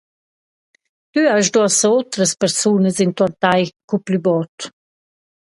Tü hast uossa otras persunas intuorn tai co plü bod.